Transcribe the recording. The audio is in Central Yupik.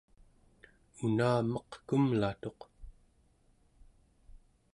una meq kumlatuq